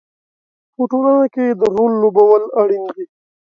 په ټولنه کې د رول لوبول اړین دي.